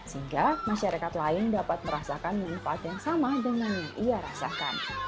sehingga masyarakat lain dapat merasakan manfaat yang sama dengan yang ia rasakan